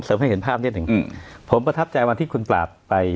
ให้เห็นภาพนิดหนึ่งอืมผมประทับใจวันที่คุณปราบไป